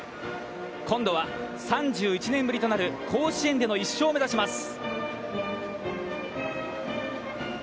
今度は３１年ぶりとなる甲子園での１勝を目指します。